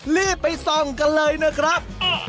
รีบไปส่องกันเลยนะครับ